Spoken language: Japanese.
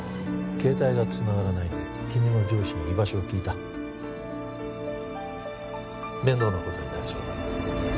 携帯がつながらないんで君の上司に居場所を聞いた面倒なことになりそうだ